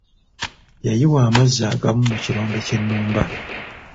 Yayiwa amazzi agamu mu kirombe ky'ennumba.